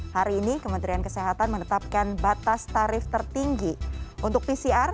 hari ini kementerian kesehatan menetapkan batas tarif tertinggi untuk pcr